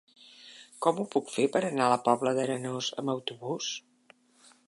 Com ho puc fer per anar a la Pobla d'Arenós amb autobús?